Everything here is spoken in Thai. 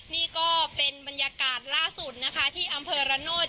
นี่ก็เป็นบรรยากาศล่าสุดนะคะที่อำเภอระโนธ